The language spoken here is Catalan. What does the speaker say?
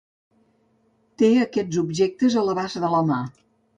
Té aquests objectes a l'abast de la mà.